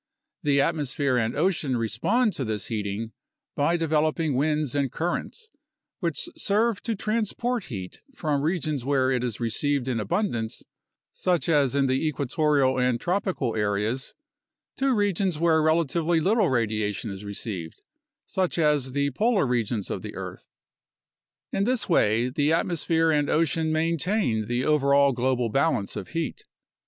The atmosphere and ocean re spond to this heating by developing winds and currents, which serve to transport heat from regions where it is received in abundance, such as in the equatorial and tropical areas, to regions where relatively little radiation is received, such as the polar regions of the earth. In this way, the atmosphere and ocean maintain the overall global balance of heat.